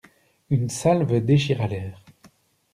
Une salve déchira l'air.